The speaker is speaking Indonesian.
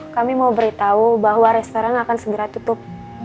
kami mau beritahu bahwa restoran akan segera tutup